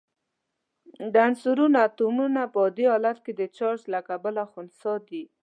د عنصرونو اتومونه په عادي حالت کې د چارج له کبله خنثی دي.